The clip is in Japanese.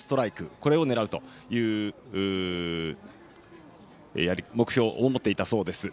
これを狙うという目標を持っていたそうです。